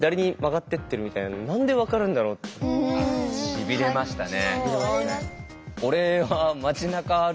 しびれましたね。